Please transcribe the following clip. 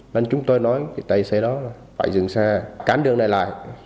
nên chúng tôi nói với tài xế đó là phải dừng xe cán đường này lại